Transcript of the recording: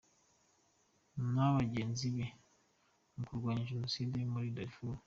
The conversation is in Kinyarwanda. na bagenzi be mu kurwanya Genocide yo muri Darfur.